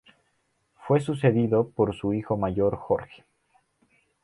Fue sucedido por su hijo mayor Jorge.